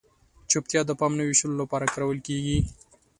چپتیا د پام نه وېشلو لپاره کارول کیږي.